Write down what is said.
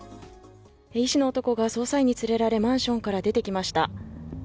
医師の男が捜査員に連れられマンションから出てきました。